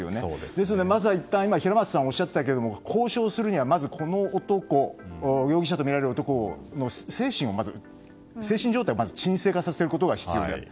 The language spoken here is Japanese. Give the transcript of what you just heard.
ですので、まずは平松さんがおっしゃったけれども交渉するにはまず容疑者とみられる男の精神状態をまず沈静化させることが必要になる。